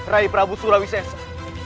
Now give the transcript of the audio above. rai prabu surawi sesa